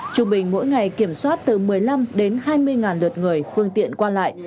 trung bình mỗi ngày kiểm soát từ một mươi năm đến hai mươi lượt người phương tiện qua lại